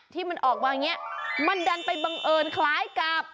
ที่มันออกมาอย่างนี้มันดันไปบังเอิญคล้ายกับ